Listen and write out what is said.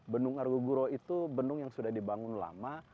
bendung argo guro itu bendung yang sudah dibangun lama